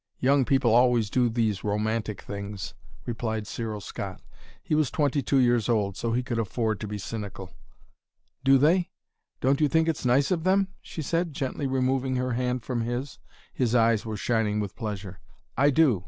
Young people always do these romantic things," replied Cyril Scott. He was twenty two years old, so he could afford to be cynical. "Do they? Don't you think it's nice of them?" she said, gently removing her hand from his. His eyes were shining with pleasure. "I do.